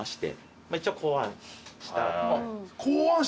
一応考案した。